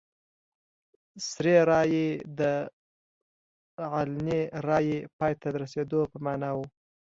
سري رایه د علني رایې پای ته رسېدو په معنا وه.